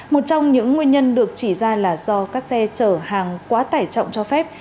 một trong những nguyên nhân được chỉ ra là do các xe chở hàng quá tải trọng cho phép